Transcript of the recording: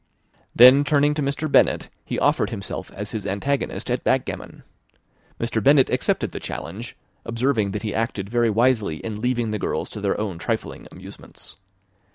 Then, turning to Mr. Bennet, he offered himself as his antagonist at backgammon. Mr. Bennet accepted the challenge, observing that he acted very wisely in leaving the girls to their own trifling amusements.